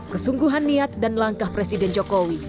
kesungguhan niat dan langkah presiden jokowi